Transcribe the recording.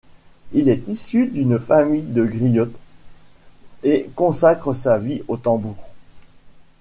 Il est issu d'une famille de griots et consacre sa vie au tambour.